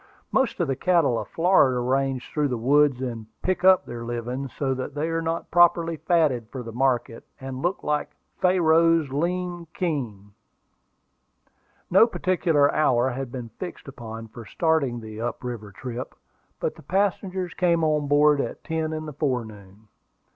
Most of the cattle of Florida range through the woods and pick up their living, so that they are not properly fatted for the market, and look like "Pharaoh's lean kine." No particular hour had been fixed upon for starting on the up river trip, but the passengers came on board at ten in the forenoon.